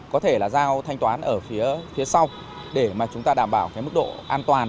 có thể là giao thanh toán ở phía sau để mà chúng ta đảm bảo cái mức độ an toàn